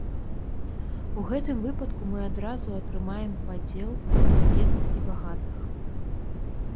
У гэтым выпадку мы адразу атрымаем падзел на бедных і багатых.